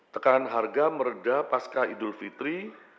tekanan harga meredah pasca idul fitri